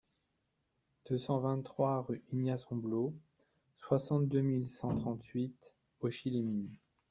deux cent vingt-trois rue Ignace Humblot, soixante-deux mille cent trente-huit Auchy-les-Mines